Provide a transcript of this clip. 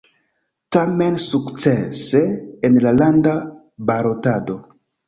Tamen sensukcese en la landa balotado.